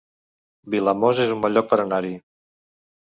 Vilamòs es un bon lloc per anar-hi